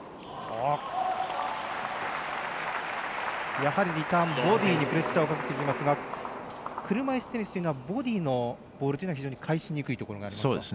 やはり、リターンボディーにプレッシャーをかけてきますが車いすテニスというのはボディーのボールというのは非常に返しにくいところがあります。